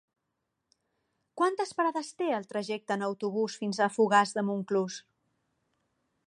Quantes parades té el trajecte en autobús fins a Fogars de Montclús?